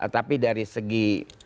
tapi dari segi